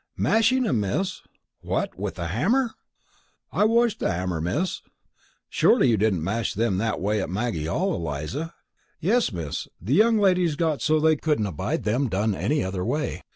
"Mashing 'em, Miss." "What, with a hammer!" "I washed the 'ammer, Miss." "Surely you didn't mash them that way at Maggie Hall, Eliza?" "Yes, miss. The young ladies got so they couldn't abide them done any other way."